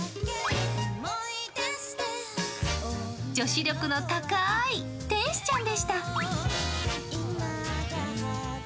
女子力の高い天使ちゃんでした。